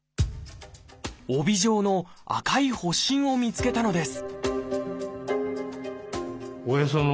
帯状の赤い発疹を見つけたのです